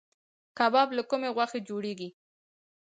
کباب له کومې غوښې جوړیږي؟